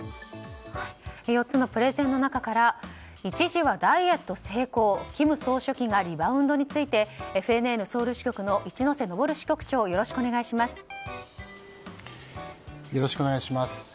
４つのプレゼンの中から一時はダイエット成功金総書記がリバウンドについてＦＮＮソウル支局の一之瀬登支局長よろしくお願いします。